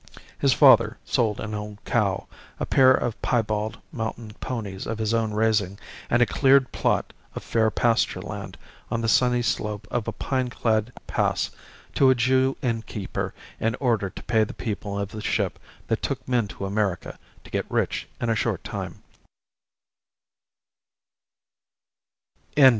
His father sold an old cow, a pair of piebald mountain ponies of his own raising, and a cleared plot of fair pasture land on the sunny slope of a pine clad pass to a Jew inn keeper in order to pay the people of the ship that took men to America to get rich in a short time.